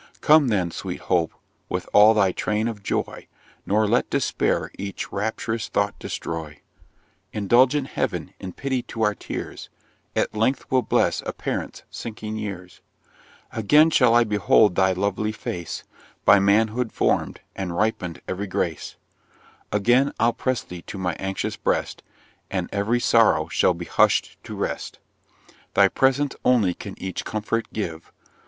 Come then, sweet Hope, with all thy train of joy Nor let Despair each rapt'rous thought destroy; Indulgent Heav'n, in pity to our tears, At length will bless a parent's sinking years; Again shall I behold thy lovely face, By manhood form'd, and ripen'd ev'ry grace, Again I'll press thee to my anxious breast, And ev'ry sorrow shall be hush'd to rest. Thy presence only can each comfort give.